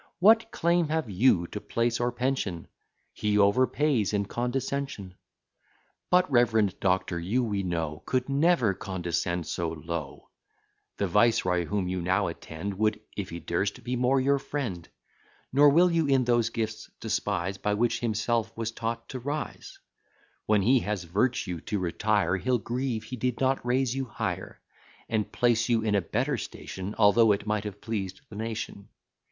What claim have you to place or pension? He overpays in condescension. But, reverend doctor, you we know Could never condescend so low; The viceroy, whom you now attend, Would, if he durst, be more your friend; Nor will in you those gifts despise, By which himself was taught to rise: When he has virtue to retire, He'll grieve he did not raise you higher, And place you in a better station, Although it might have pleased the nation.